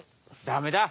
ダメだ。